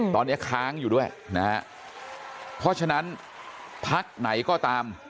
ตอนนี้ค้างอยู่ด้วยนะฮะเพราะฉะนั้นพักไหนก็ตาม